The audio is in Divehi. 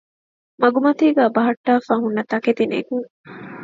މަގުމަތީގައި ބަހައްޓާފައި ހުންނަ ތަކެތިނެގުން